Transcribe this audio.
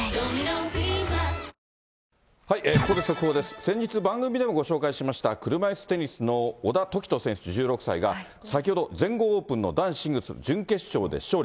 先日、番組でもご紹介しました、車いすテニスの小田凱人選手１６歳が、先ほど、全豪オープンの男子シングルス準決勝で勝利。